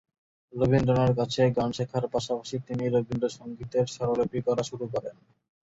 রবীন্দ্রনাথের কাছে গান শেখার পাশাপাশি তিনি রবীন্দ্রসঙ্গীতের স্বরলিপি করা শুরু করেন।